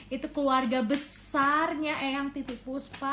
itu keluarga besarnya eyang titi puspa